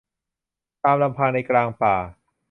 ตามลำพังในกลางป่า